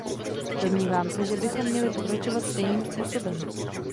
Domnívám se, že bychom měli pokračovat stejným způsobem.